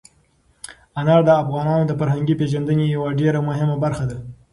انار د افغانانو د فرهنګي پیژندنې یوه ډېره مهمه برخه ده.